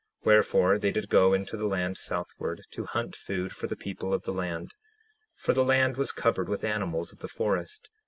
Wherefore they did go into the land southward, to hunt food for the people of the land, for the land was covered with animals of the forest.